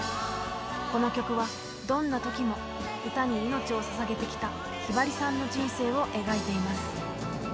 この曲は、どんなときも歌に命をささげてきたひばりさんの人生を描いています。